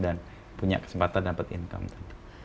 dan punya kesempatan dapat income